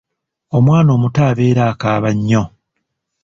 Omwana omuto abeera akaaba nnyo.